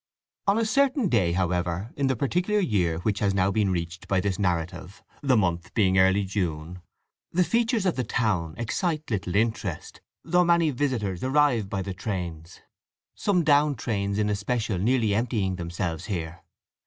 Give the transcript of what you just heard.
On a certain day, however, in the particular year which has now been reached by this narrative—the month being early June—the features of the town excite little interest, though many visitors arrive by the trains; some down trains, in especial, nearly emptying themselves here.